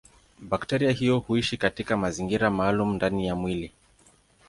Bakteria hiyo huishi katika mazingira maalumu ndani ya mwili.